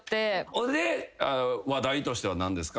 それで話題としては何ですか？